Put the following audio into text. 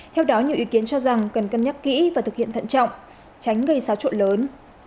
theo đó nhiều ý kiến cho rằng cần cân nhắc kỹ và thực hiện thận trọng tránh gây xáo trộn lớn